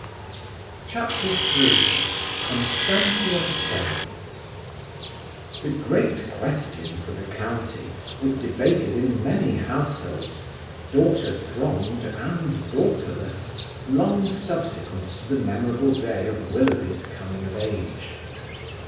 CHAPTER III CONSTANTIA DURHAM The great question for the county was debated in many households, daughter thronged and daughterless, long subsequent to the memorable day of Willoughby's coming of age.